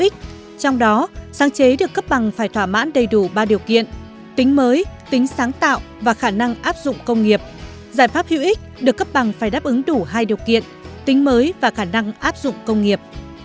trong đó sáng chế được cấp bằng phải thỏa mãn đầy đủ ba điều kiện tính mới tính sáng tạo và khả năng áp dụng công nghiệp giải pháp hữu ích được cấp bằng phải đáp ứng đủ hai điều kiện tính mới và khả năng áp dụng công nghiệp